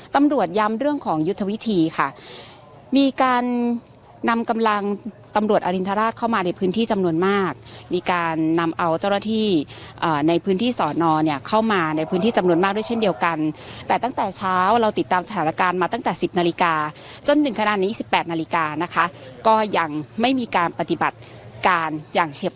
ตำรวจย้ำเรื่องของยุทธวิธีค่ะมีการนำกำลังตำรวจอรินทราชเข้ามาในพื้นที่จำนวนมากมีการนำเอาเจ้าหน้าที่ในพื้นที่สอนอเนี่ยเข้ามาในพื้นที่จำนวนมากด้วยเช่นเดียวกันแต่ตั้งแต่เช้าเราติดตามสถานการณ์มาตั้งแต่สิบนาฬิกาจนถึงขนาดนี้๑๘นาฬิกานะคะก็ยังไม่มีการปฏิบัติการอย่างเฉียบ